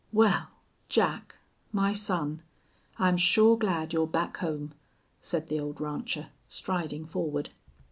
"Wal, Jack my son I'm sure glad you're back home," said the old rancher, striding forward.